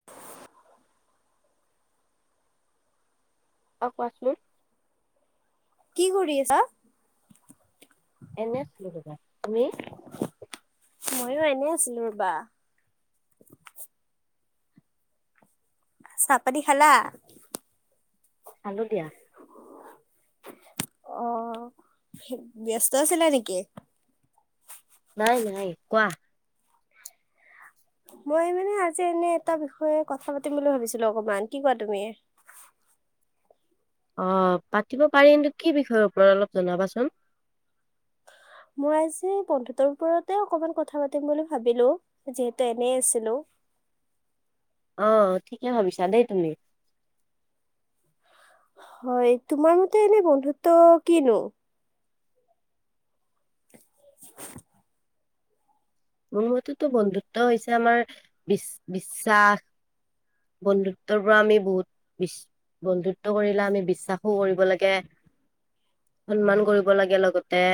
[inaudible] অঁ কোৱাচোন? কি কৰি আছা? এনে আছিলো ৰবা, তুমি? ময়ো এনেই আছিলো ৰবা। চাহপাতি খালা! খালো দিয়া। অঁ, ব্যস্ত আছিলা নেকি? নাই নাই কোৱা। মই মানে আজি এনেই এটা বিষয়ে কথা পাতিম বুলি ভাবিছিলো, অকমান কি কোৱা তুমি। অঁ পাতিব পাৰিম তো কি বিষয়ৰ ওপৰত অলপ জনাবাচোন? মই আজি বন্ধুতৰ ওপৰতে অকমান কথা পাতিম বুলি ভাবিলো। যিহেতু এনেই আছিলো। অঁ, ঠিকেই ভাবিছা দেই তুমি। হয়, তোমাৰ মতে এনেই বন্ধুত্ব কিনো? [inaudible] মোৰ মতে তো বন্ধুত্ব হৈছে আমাৰ বিশ বিশ্বাস বন্ধুত্বৰ পৰা আমি বহুত বিশ বন্ধুত্ব কৰিলে আমি বিশ্বাস কৰিব লাগে। সন্মান কৰিব লাগে লগতে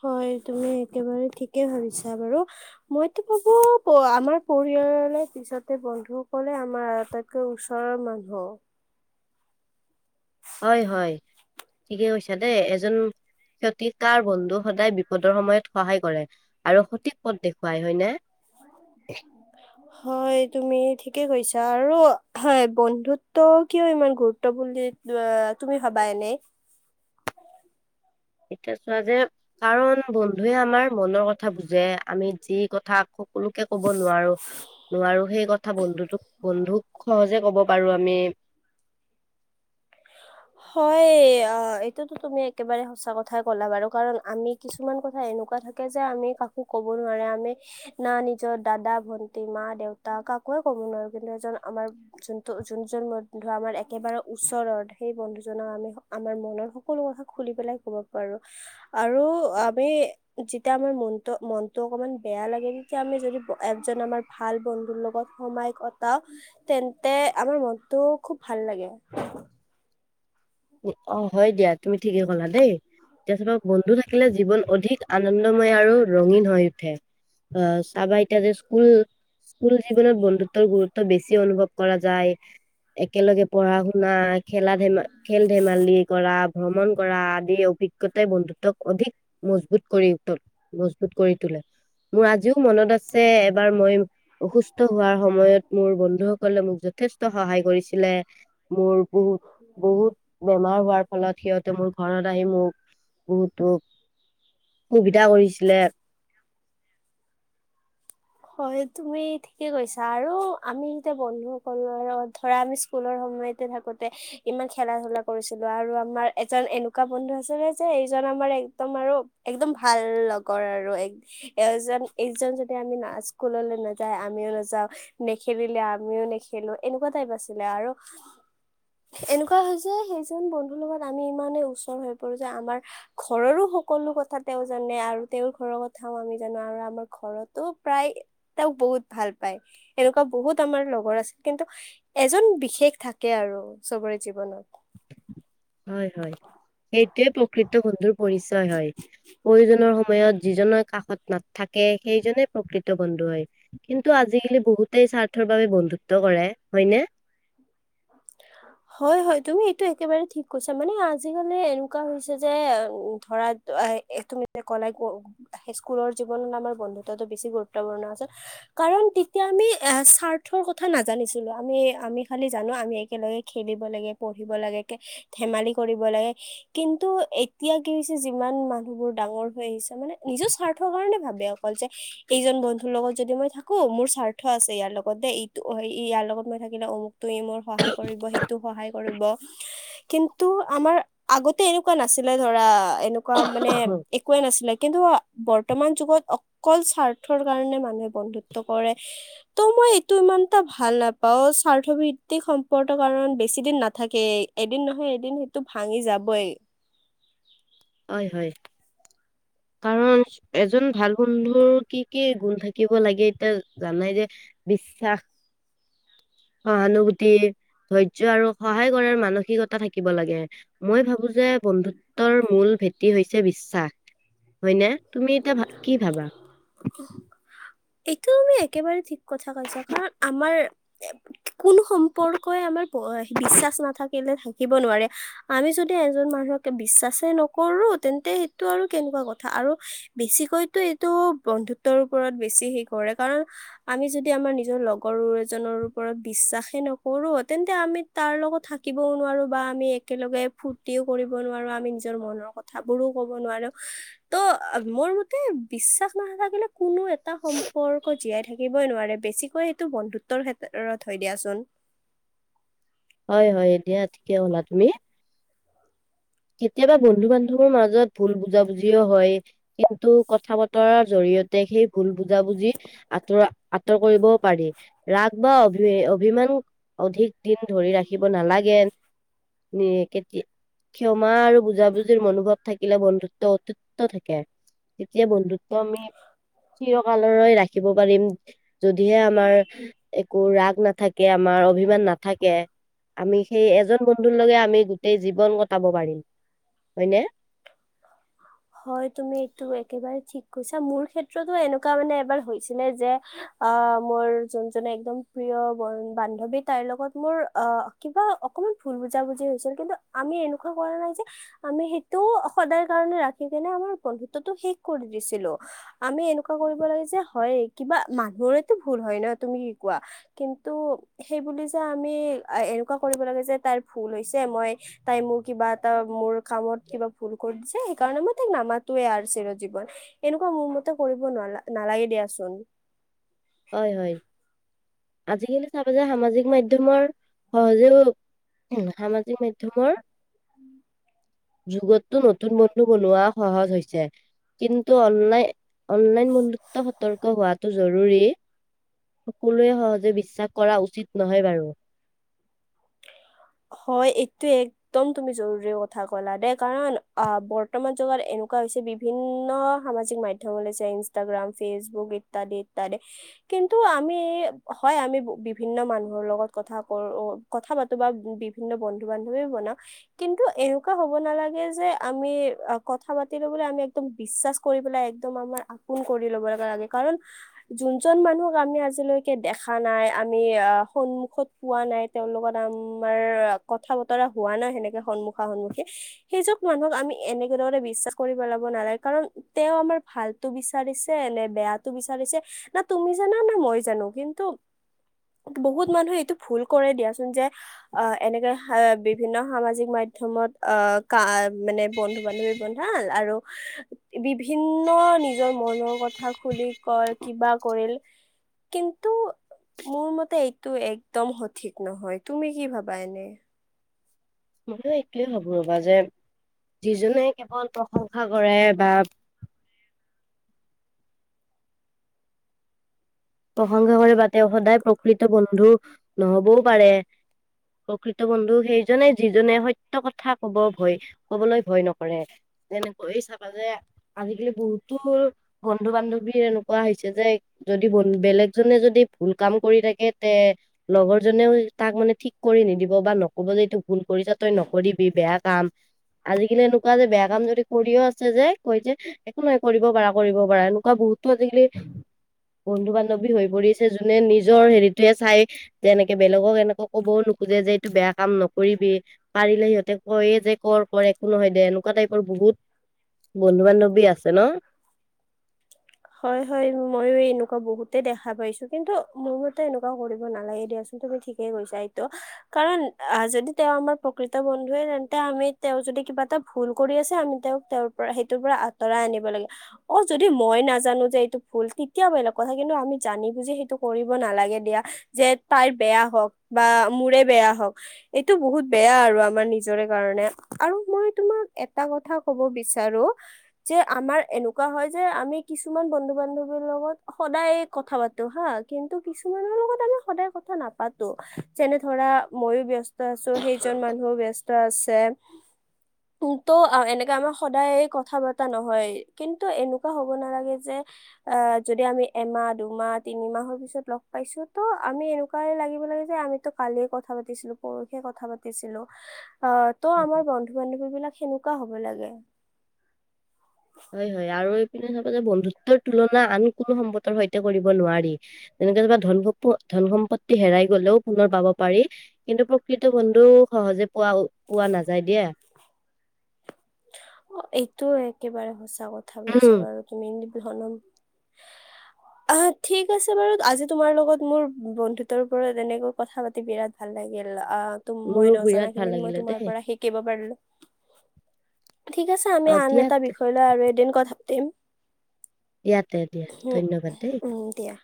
হয় তুমি একেবাৰে ঠিকে ভাবিছা বাৰু। মইতো ভাবো আমাৰ পৰিয়ালৰ পিছতে বন্ধুসকলে আমাৰ আটাইতকৈ ওচৰৰ মানুহ। হয় হয়, ঠিকে কৈছা দেই এজন [unintelligible] বন্ধু সদায় বিপদৰ সময়ত সহায় কৰে আৰু সঠিক পথ দেখুৱায় হয়নে? [inaudible] হয়, তুমি ঠিকে কৈছা আৰু বন্ধুত্ব কিয় ইমান গুৰুত্ব বুলি তুমি ভবা এনেই এতিয়া চোৱা যে কাৰণ বন্ধুৱে আমাৰ মনৰ কথা বুজে আমি যি কথা সকলোকে কব নোৱাৰো নোৱাৰো সেই কথা বন্ধুতোক বন্ধুক সহজে কব পাৰো আমি। হয়, এইটোতো তুমি একেবাৰে সঁচা কথাই ক'লা বাৰু, কাৰণ আমি কিছুমান কথা এনেকুৱা থাকে যে আমি কাকো ক'ব নোৱাৰে আমি না নিজৰ দাদা, ভন্টি, মা, দেউতা কাকোয়ে ক'ব নোৱাৰো কিন্তু এজন আমাৰ যোনটো যোন যোন বন্ধু আমাৰ একেবাৰে ওচৰৰ সেই বন্ধু জক আমি আমাৰ মনৰ সকলো কথা খুলি পেলাই কব পাৰো। আৰু আমি যেতিয়া আমাৰ মনতো, মনটো অকমান বেয়া লাগে তেতিয়া আমি যদি এজন আমাৰ ভাল বন্ধুৰ লগত সময় কটাও তেন্তে আমাৰ মনটো খুব ভাল লাগে। অ', হয় দিয়া তুমি ঠিকে কলা দেই। এতিয়া চাবা বন্ধু থাকিলে জীৱন অধিক আনন্দময় আৰু ৰঙীন হৈ উঠে। অ', চাবা এতিয়া যে স্কুল স্কুল জীৱনত বন্ধুত্বৰ গুৰুত্ব বেছি অনুভৱ কৰা যায়। একেলগে পঢ়া শুনা, খেলা ধেমা খেল ধেমালি কৰা, ভ্ৰমণ কৰা আদিৰ অভিজ্ঞতাই বন্ধুত্বক অধিক মজবুত কৰিল মজবুত কৰি তোলে। মোৰ আজিও মনত আছে এবাৰ মই অসুস্থ হোৱাৰ সময়ত মোৰ বন্ধুসকলে মোক যথেষ্ট সহায় কৰিছিলে। মোৰ বহু-বহুত বেমাৰ হোৱাৰ ফলত সিহঁত মোৰ ঘৰত আহি মোক বহুতো সুবিধা কৰিছিলে। হয়, তুমি ঠিকে কৈছা আৰু আমি যেতিয়া বন্ধুসকল ধৰা আমি স্কুলৰ সময়তে থাকোতে ইমান খেলা ধূলা কৰিছিলো আৰু আমাৰ এজন এনেকুৱা বন্ধু আছিলে যে এইজন আমাৰ একদম আৰু একদম ভাল লগৰ আৰু এজন এইজন যদি আমি নাচ স্কুললৈ নাযায় আমিও নাযাওঁ। নেখেলিলে আমিও নেখেলো, এনেকুৱা টাইপ আছিলে আৰু এনেকুৱা হয় যে সেইজন বন্ধুৰ লগত আমি ইমানেই ওচৰ হৈ পৰো যে আমাৰ ঘৰৰো সকলো কথা তেওঁ জানে আৰু তেওঁৰ ঘৰৰ কথাও আমি জানো আৰু আমাৰ ঘৰতো প্ৰায় তেওঁক বহুত ভাল পায়, এনেকুৱা বহুত আমাৰ লগৰ আছিল কিন্তু এজন বিশেষ থাকে আৰু চবৰে জীৱনত। হয় হয়, সেইটোয়ে প্ৰকৃত বন্ধুৰ পৰিচয় হয়। প্ৰয়োজনৰ সময়ত যিজনৰ কাষত নাথাকে সেইজনে প্ৰকৃত বন্ধু হয়। কিন্তু আজিকালি বহুতেই স্বাৰ্থৰ বাবে বন্ধুত্ব কৰে, হয়নে? [inaudible] হয় হয় তুমি এইটো একেবাৰে ঠিক কৈছা, মানে আজিকালি এনেকুৱা হৈছে যে ধৰা এ তুমি কলাই হাই স্কুলৰ জীৱনত আমাৰ বন্ধুত্বটো বেছি গুৰুত্বপূৰ্ণ আছে। কাৰণ তেতিয়া আমি এ স্বাৰ্থৰ কথা নাজানিছিলো, আমি আমি খালি জানো আমি একেলগে খেলিব লাগে, পঢ়িব লাগে, ধেমালি কৰিব লাগে কিন্তু এতিয়া কি হৈছে যিমান মানুহবোৰ ডাঙৰ হৈ আহিছে মানে নিজৰ স্বাৰ্থৰ কাৰণে ভাবে আও। যে এইজন বন্ধুৰ লগত যদি মই থাকো মোৰ স্বাৰ্থ আছে ইয়াৰ লগতে এইটো ইয়াৰ লগত মই থাক ই ন অমুকতো ই মোৰ সহায় কৰিব সিটো সহায় কৰিব কিন্তু আমাৰ আগতে এনেকুৱা নাছিলে ধৰা এনেক কোৱা মানে একোৱে নাছিলে কিন্তু বৰ্তমান যুগত অকল স্বাৰ্থৰ কাৰণে মানুহে বন্ধুত্ব কৰে। ত মই এইটো ইমান এটা ভাল নাপাও স্বাৰ্থ ভিত্তিক সম পৰ্ত কাৰণ বেছি দিন নাথাকেই এদিন নহয় এদিন সেইটো ভাঙি যাবই। হয় হয় কাৰণ এজন ভাল বন্ধুৰ কি কি গুণ থাকিব লাগে এতিয়া জানাই যে বিশ্বাস, সহানুভূতি ধৈৰ্য্য আৰু সহায় কৰাৰ মানসিকতা থাকিব লাগে, মই ভাবো যে বন্ধুত্বৰ মূল ভেটি হৈছে বিশ্বাস হয়নে? তুমি এতিয়া ভা কি ভাবা? [inaudible] এইটো আমি একেবাৰে ঠিক কথা কৈছা কাৰণ আমাৰ কোনো সম্পৰ্কই আমাৰ ব এ বিশ্বাস নাথাকিলে থাকিব নোৱাৰে। আমি যদি এজন মানুহকে বিশ্বাসে নকৰো তেন্তে সেইটো আৰু কেনেকুৱা কথা আৰু বেছিকৈতো এইটো বন্ধুত্বৰ ওপৰত বেছি হেই কৰে কাৰণ আমি যদি আমাৰ নিজৰ লগৰ এজনৰ ওপৰত বিশ্বাসে নকৰো তেন্তে আমি তাৰ লগত থাকিবও নোৱাৰো বা আমি একেলগে ফূুৰ্তিও কৰিব নোৱাৰো আমি নিজৰ মনৰ কথা কথাবোৰো কব নোৱাৰো, ত মোৰ মতে বিশ্বাস নাথাকিলে কোনো এটা সম্পৰ্ক জীয়াই থাকিবই নোৱাৰে, বেছিকৈ সেইটো বন্ধুত্বৰ ক্ষেত্ৰত হয় দিয়াচোন। হয় হয় এতিয়া ঠিকে কলা তুমি। কেতিয়াবা বন্ধু-বান্ধৱৰ মাজত ভুল বুজাবুজিও হয়। কিন্তু কথা বতৰাৰ জৰিয়তে সেই ভুল বুজাবুজি আঁতৰা আঁতৰ কৰিব পাৰি, ৰাগ বা অভি অভিমান অধিক দিন ধৰি ৰাখিব নালাগে, এ কেতি ক্ষমা আৰু বুজাবুজিৰ মনোভাৱ থাকিলে বন্ধুত্ব অটুটও থাকে। তেতিয়া বন্ধুত্ব আমি চিৰকাললৈ ৰাখিব পাৰিম। যদিহে আমাৰ একো ৰাগ নাথাকে আমাৰ অভিমান নাথাকে। আমি সেই এজন বন্ধুৰ লগে আমি গোটেই জীৱন কটাব পাৰিম, হয় নে? হয় তুমি এইটো একেবাৰে ঠিক কৈছা, মোৰ ক্ষেত্ৰতো এনেকুৱা মানে এবাৰ হৈছিলে যে অ মোৰ যোনজনে একদম প্ৰিয় ব বান্ধৱী তাইৰ লগত মোৰ অহ কিবা অকণমান ভুল বুজা বুজি হৈছিল কিন্তু আমি এনেকুৱা কৰা নাই যে আমি সেইটো সদায় কাৰনে ৰাখি কেনে আমাৰ বন্ধুত্বটো শেষ কৰি দিছিলো। আমি এনেকুৱা কৰিব লাগে যে হয় কিবা মানুহৰেতো ভুল হয় ন তুমি কি কোৱা? কিন্তু সেইবুলি যে আমি এনেকুৱা কৰিব লাগে যে তাইৰ ভুল হৈছে মই তাই মোৰ কিবা এটা মোৰ কামত কিবা ভুল কৰি দিছে সেই কাৰণে মই তাইক নামাতোৱে আৰু চিৰ জীৱন এনেকুৱা মোৰ মতে কৰিব নালা নালাগে দিয়াচোন। হয় হয় আজিকালি চাবা যে সামাজিক মাধ্যমৰ সহজেও উম সামাজিক মাধ্যমৰ যুগতো নতুন বন্ধু বনোৱা সহজ হৈছে। কিন্তু অনলাইন অনলাইন বন্ধুত্ব সতৰ্ক হোৱাটো জৰুৰী। সকলোৱে সহজে বিশ্বাস কৰা উচিত নহয় বাৰু। হয় এইটো এক একদম তুমি জৰুৰী কথা কলা দেই কাৰণ আহ বৰ্তমান যুগত এনেকুৱা হৈছে বিভিন্ন সামাজিক মাধ্যম ওলাইছে, ইনষ্টাগ্ৰাম, ফেচবুক ইত্যাদি ইত্যাদি। কিন্তু আমি হয় আমি বিভিন্ন মানুহৰ লগত কথা কো কথা পাতো বা বিভিন্ন বন্ধু বান্ধবী বনাও। কিন্তু এনেকুৱা হব নালাগে যে আমি কথা পাতি লবলৈ আমি একদম বিশ্বাস কৰি পেলাই একদম আমাৰ আপোন কৰি ল'ব লগা লাগে কাৰণ যোনজন মানুহক আমি আজিলৈকে দেখা নাই আমি আহ সন্মুখত পোৱা নাই তেওঁৰ লগত আমাৰ কথা বতৰা হোৱা নাই সেনেকে সন্মুখা সন্মুখী সেই য মানুহক আমি এনেকে দৰে বিশ্বাস কৰিব পেলাব নালাগে কাৰণ তেওঁ আমাৰ ভালতো বিচাৰিছে নে বেয়াটো বিচাৰিছে না তুমি জানা না মই জানো কিন্তু বহুত মানুহে এইটো ভুল কৰে দিয়াচোন যে অ এনেকে অ বিভিন্ন সামাজিক মাধ্যমত অ কা মানে বন্ধু বান্ধৱী গন ভাল আৰু বিভিন্ন নিজৰ মনৰ কথা খুলি কয় কিবা কৰিল কিন্তু মোৰ মতে এইটো একদম সঠিক নহয় তুমি কি ভাবা পাইনে! মইতো এইোৱেই ভাবো ৰ'বা যে যিজনে কেৱল প্ৰশংসা কৰে বা প্ৰসংসা কৰে বা তেওঁ সদায় প্ৰকৃত বন্ধু নহবও পাৰে। প্ৰকৃত বন্ধু সেইজনে যিজনে সত্য কথা কব ভয় কবলৈ ভয় নকৰে। তেনেকৈয়ে চাবা যে আজিকালি বহুতো বন্ধু বান্ধৱীৰ এনেকুৱা হৈছে যে যদি বনু বেলেগজনে যদি ভুল কাম কৰি থাকে তে লগৰ জনেও তাক মানে ঠিক কৰি নিদিব বা নকব যে ত ভুল কৰিছা তই নকৰিবি বেয়া কাম আজিকালি এনেকুৱা যে বেয়া কাম যদি কৰিও আছে যে কৈ যে একো নহাই কৰিব পাৰা কৰিব পাৰা এনেকুৱা বহুতো আজিকালি বন্ধু বান্ধৱী হৈ পৰিছে যোনে নিজৰ হেৰিটোৱে চাই যে এনেকে বেলেগক এনেকে ক'বও নোখোজে যে এইটো বেয়া কাম নকৰিবি পাৰিলে সিহঁতে কয়ে যে কৰ কৰ একো নহয় দে এনেকুৱা টাইপৰ বহুত বন্ধু বান্ধৱী আছে ন! হয় হয় মইয়ো এনেকুৱা বহুতে দেখা পাইছো কিন্তু মোৰ মতে এনেকুৱা কৰিব নালাগে দিয়াচোন। তুমি ঠিকেই কৈছা এইতো কাৰণ আ যদি তেওঁ আমাৰ প্ৰকৃত বন্ধুৱে তেন্তে আমি তেওঁ যদি কিবা এটা ভুল কৰি আছে আমি তেওঁক তেওঁৰ পৰা সেইটোৰ পৰা আঁতৰাই আনিব লাগে অ যদি মই নাজো জানো যে এইটো ভুল তেতিয়াও বেলেগ কথা কিন্তু আমি জানি বুজি সেইটো কৰিব নালাগে দিয়া যে তাইৰ বেয়া হওক বা মোৰে বেয়া হওক এইটো বহুত বেয়া আৰু আমাৰ নিজৰে কাৰণে আৰু মই তোমাক এটা কথা কব বিচাৰো যে আমাৰ এনেকুৱা হয় যে আমি কিছুমান বন্ধু বান্ধৱীৰ লগত সদায় কথা পাতো হা কিন্তু কিছুমানৰ লগত আমি সদায় কথা নাপাতো। যেনে ধৰা মইয়ো ব্যস্ত আছো সেইজন মানুহেও ব্যস্ত আছে তো এনেকা আমাৰ সদায় কথা পতা নহয় কিন্তু এনেকোৱা হব নালাগে যে অ যদি আমি এমাহ দুমাহ তিনিমাহৰ পিছত লগ পাইছো ত' আমি এনেকোৱাই লাগিব লাগে যে আমি ত কালিয়ে কথা পাতিছিলো পৰহিয়ে কথা পাতিছিলো অ ত আমাৰ বন্ধু -বান্ধৱী বিলাক সেনেকোৱা হ'ব লাগে। হয় হয় আৰু এইপিনে চাবা যে বন্ধুত্বৰ তুলনা আন কোনো সম্পকৰ সৈতে কৰিব নোৱাৰি। তেনেকে যেনিবা ধন সম্প ধন সম্পত্তি হেৰাই গলেও পুনৰ পাব পাৰি। কিন্তু প্ৰকৃত বন্ধু সহজে পোৱা পোৱা নাযায় দিয়া। অ এইটো একেবাৰে সঁচা কথা কৈছা উম, বাৰু তুমি এনেধৰণৰ হ আহ ঠিক আছে বাৰু আজি তোমাৰ লগত মোৰ বন্ধুত্বৰ ওপৰত এনেকৈ কথা পাতি বিৰাট ভাল লাগিল অ তুম মোৰো মই বিৰাট ভাল নজনাখিনিত মই লাগিলে তোমাৰ দেই পৰা শিকিব পাৰিলো ঠিক আছে আমি অ আন দিয়া এটা বিষয় লৈ আৰু এদিন কথা পাতিম দিয়া তে দিয়া হুম ধন্যবাদ দেই উম দিয়া